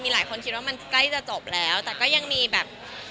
หลายคนคิดว่ามันใกล้จะจบแล้วแต่ก็ยังมีแบบ